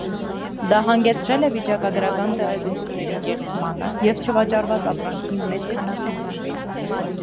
Դա հանգեցրել է վիճակագրական տեղեկությունների կեղծմանը և չվաճառված ապրանքի մեծ քանակության։